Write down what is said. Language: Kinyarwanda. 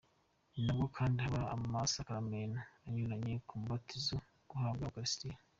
Ninabwo kandi haba amasakaramentu anyuranye nk’umubatizo, guhabwa ukaristiya,….